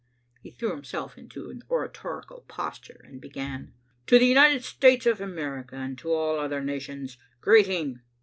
He threw himself into an oratorical posture and began: "To the United States of America and to all other nations Greeting!"